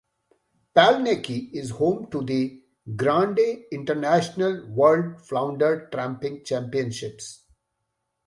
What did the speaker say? Palnackie is home to the Grande Internationale World Flounder Tramping Championships.